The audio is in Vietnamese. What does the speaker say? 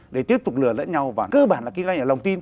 để tiếp tục lừa lẫn nhau và cơ bản là kinh doanh ở lòng tin